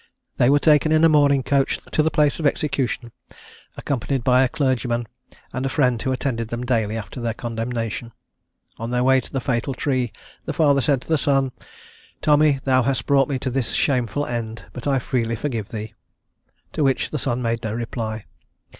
They were taken in a mourning coach to the place of execution, accompanied by a clergyman and a friend who attended them daily after their condemnation. On their way to the fatal tree the father said to the son, "Tommy, thou hast brought me to this shameful end, but I freely forgive thee;" to which the son made no reply.